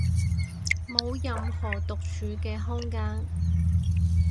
冇任何獨處嘅空間